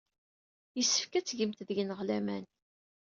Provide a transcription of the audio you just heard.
Yessefk ad tgemt deg-neɣ laman.